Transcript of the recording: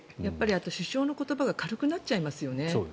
あと首相の言葉が軽くなっちゃいますよね。